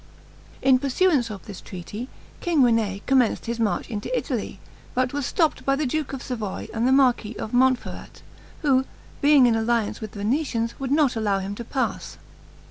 In pursuance of this treaty, King René commenced his march into Italy, but was stopped by the duke of Savoy and the marquis of Montferrat, who, being in alliance with the Venetians, would not allow him to pass.